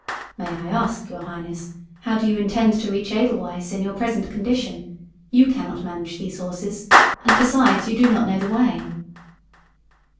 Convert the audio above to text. "May I ask, your highness, how do you intend to reach Edelweiss in your present condition. You cannot manage those horses, and besides, you do not know the way."